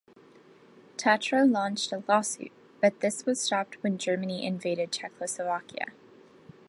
Tatra launched a lawsuit, but this was stopped when Germany invaded Czechoslovakia.